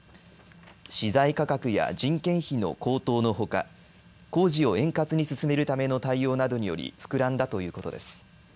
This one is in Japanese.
資材価格や人件費の高騰のほか工事を円滑に進めるための対応などにより膨らんだということです。